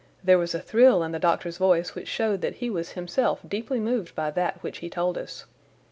There was a thrill in the doctor's voice which showed that he was himself deeply moved by that which he told us.